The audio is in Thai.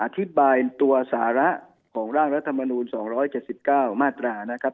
อธิบายตัวสาระของร่างรัฐมนูล๒๗๙มาตรานะครับ